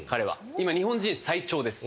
今、日本人最長です。